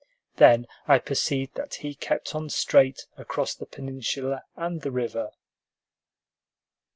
Then I perceived that he kept on straight across the peninsula and the river.